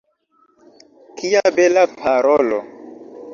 Kia bela parolo!